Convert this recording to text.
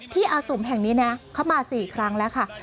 ที่อสุมแห่งนี้เขามา๔ครั้งแล้วค่ะ